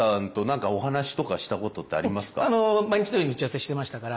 毎日のように打ち合わせしてましたから。